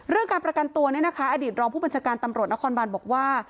การประกันตัวเนี่ยนะคะอดีตรองผู้บัญชาการตำรวจนครบานบอกว่า